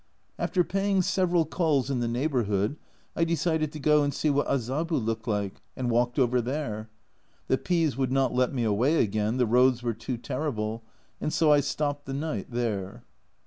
After paying several calls in the neighbour hood, I decided to go and see what Azabu looked like, and walked over there ; the P s would not let me away again, the roads were too terrible, and so I stopped the night there.